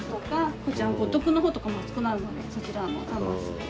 こちらの五徳の方とかも熱くなるのでそちらを冷ますとか。